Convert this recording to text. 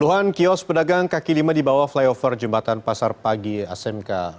puluhan kios pedagang kaki lima di bawah flyover jembatan pasar pagi smk